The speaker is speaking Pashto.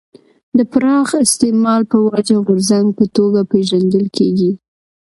د پراخ استعمال په وجه غورځنګ په توګه پېژندل کېږي.